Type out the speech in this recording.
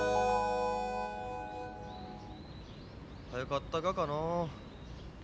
早かったがかな。